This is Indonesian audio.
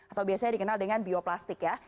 atau biasanya dikenal dengan bioplastik ya